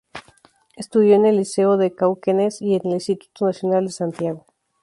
Estudió en el Liceo de Cauquenes y en el Instituto Nacional de Santiago.